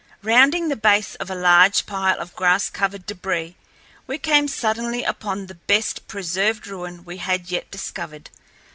Rounding the base of a large pile of grass covered debris, we came suddenly upon the best preserved ruin we had yet discovered.